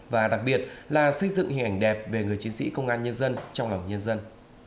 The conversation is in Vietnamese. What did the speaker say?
và đặc biệt là xây dựng hình ảnh đẹp về người chiến sĩ công an nhân dân trong lòng nhân dân